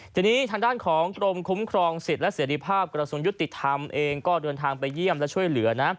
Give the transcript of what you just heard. ทีนี้ทางด้านของกรมคุ้มครองสิทธิ์และเสรีภาพกระทรวงยุติธรรมเองก็เดินทางไปเยี่ยมและช่วยเหลือนะ